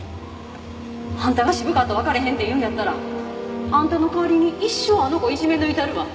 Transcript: あんたが渋川と別れへんって言うんやったらあんたの代わりに一生あの子いじめ抜いたるわ